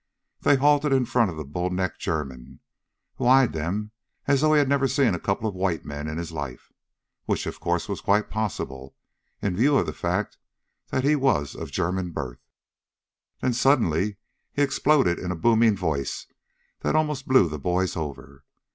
They halted in front of the bull necked German, who eyed them as though he'd never seen a couple of white men in his life before. Which, of course, was quite possible, in view of the fact he was of German birth. Then, suddenly, he exploded in a booming voice that almost blew the boys over.